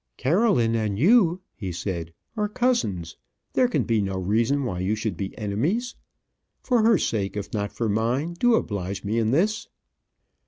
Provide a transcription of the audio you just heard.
"Caroline and you," he said, "are cousins; there can be no reason why you should be enemies. For her sake, if not for mine, do oblige me in this."